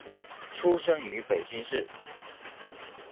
出生于北京市。